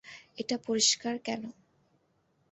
এটা পরিষ্কার কেন.